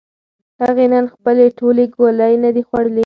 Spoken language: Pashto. هغې نن خپلې ټولې ګولۍ نه دي خوړلې.